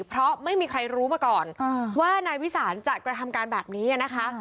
เพราะไม่มีใครรู้มาก่อนว่านายวิสานจะกระทำการแบบนี้นะคะ